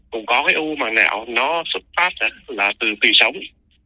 cũng có cái u bằng não nó xuất phát là từ tùy sống